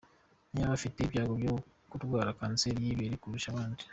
Niba bafite ibyago byo kurwara kanseri y’ ibere kurusha abandi?.